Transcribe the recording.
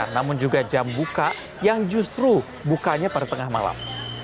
namun juga jam buka yang justru bukanya pada tengah malam